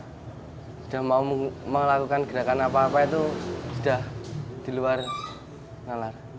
sudah mau melakukan gerakan apa apa itu sudah di luar nalar